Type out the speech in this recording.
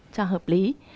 cho hợp lý